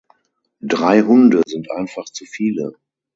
Drei Hunde sind einfach zu viele.